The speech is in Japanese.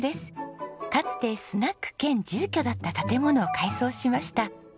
かつてスナック兼住居だった建物を改装しました。